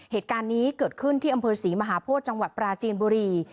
เหตุการณ์นี้เกิดขึ้นที่อำเภอศรีมหาโพธิจังหวัดปราจีนบุรี